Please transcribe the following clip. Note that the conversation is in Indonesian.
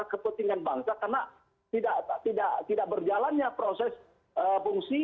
kepentingan bangsa karena tidak berjalannya proses fungsi